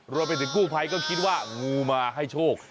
รวมไปถึงกู้ภัยก็คิดว่างูมาให้โชค